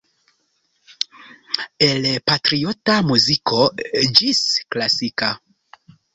El patriota muziko ĝis klasika.